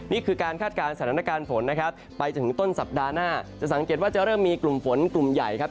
นี่คือการคาดการณ์สถานการณ์ฝนนะครับไปจนถึงต้นสัปดาห์หน้าจะสังเกตว่าจะเริ่มมีกลุ่มฝนกลุ่มใหญ่ครับ